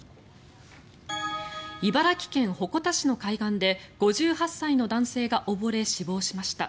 茨城県鉾田市の海岸で５８歳の男性が溺れ死亡しました。